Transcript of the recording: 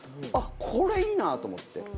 あっこれいいなと思って。